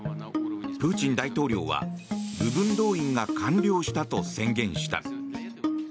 プーチン大統領は部分動員が完了したと宣言した。